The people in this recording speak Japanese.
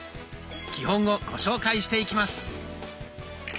基本をご紹介していきます。